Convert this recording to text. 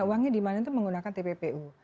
nah uangnya dimana itu menggunakan tppu